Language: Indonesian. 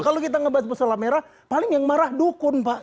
kalau kita ngebahas masalah merah paling yang marah dukun pak